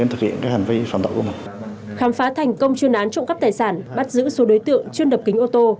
hành vi trộm cắp tài sản bắt giữ số đối tượng chuyên đập kính ô tô